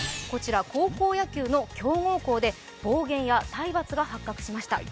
高校野球の強豪校で暴言や体罰が発覚しました。